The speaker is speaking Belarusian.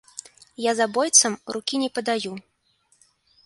Я забойцам рукі не падаю.